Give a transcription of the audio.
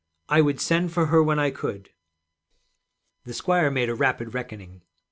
'I would send for her when I could.' The squire made a rapid reckoning.